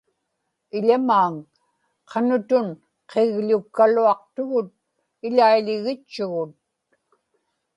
iḷamaaŋ, qanutun qigḷukkaluaqtugut iḷaiḷgitchugut